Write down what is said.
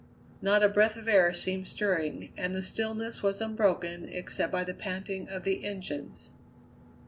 Not a breath of air seemed stirring, and the stillness was unbroken except by the panting of the engines.